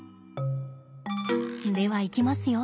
ではいきますよ。